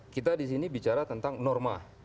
kita di sini bicara tentang norma